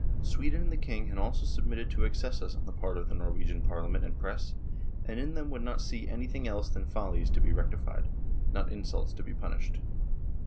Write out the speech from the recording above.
Sweden and the king had also submitted to excesses on the part of the Norwegian Parliament and Press, and in them would not see " anything else than follies to be rectified, not insults to be punished."